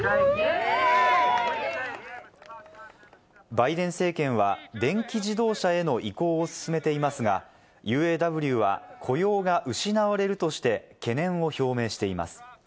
バイデン政権は電気自動車への移行を進めていますが、ＵＡＷは雇用が失われるとして懸念を表明しています。